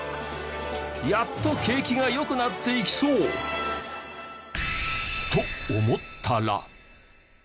やっと景気が良くなっていきそう！と思ったら。